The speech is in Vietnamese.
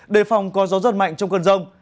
đề phong có gió giật mạnh trong cơn rông